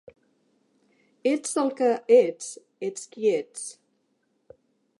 Ets el que ets, ets qui ets.